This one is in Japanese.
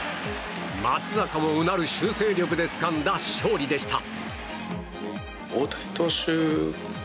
松坂も、うなる修正力でつかんだ勝利でした。